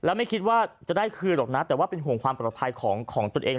แล้วไม่คิดว่าจะได้คืนหรอกนะแต่ว่าเป็นห่วงความปลอดภัยของตนเอง